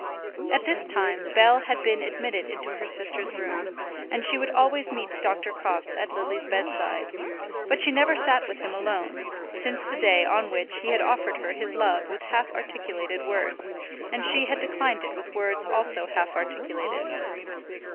At this time Bell had been admitted into her sister's room, and she would always meet Dr. Crofts at Lily's bedside; but she never sat with him alone, since the day on which he had offered her his love with half articulated words, and she had declined it with words also half articulated.